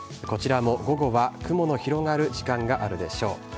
こちらも午後は、雲の広がる時間があるでしょう。